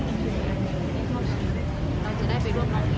ไม่เข้าชิ้นเราจะได้ไปร่วมร้องเพลงนี้